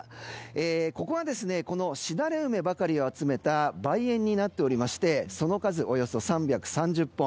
ここはこのしだれ梅ばかりを集めた梅苑になっておりましてその数、およそ３３０本。